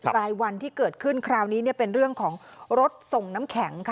รายวันที่เกิดขึ้นคราวนี้เป็นเรื่องของรถส่งน้ำแข็งค่ะ